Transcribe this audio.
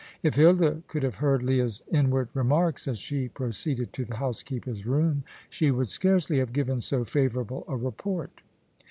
If Hilda could have heard Leah's inward remarks as she proceeded to the housekeeper's room, she would scarcely have given so favourable a report.